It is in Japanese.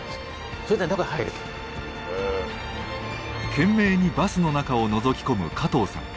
懸命にバスの中をのぞき込む加藤さん。